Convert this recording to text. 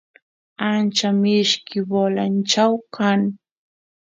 ancha mishki bolanchau kan